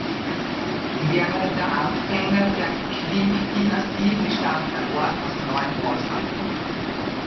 Während der Anfänge der Qing-Dynastie bestand der Ort aus neun Haushalten.